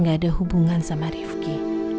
ada hubungan sama rifki